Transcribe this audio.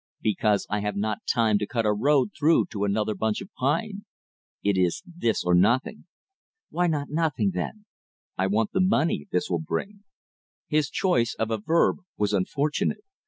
"Because I have not time to cut a road through to another bunch of pine. It is this or nothing." "Why not nothing, then?" "I want the money this will bring." His choice of a verb was unfortunate.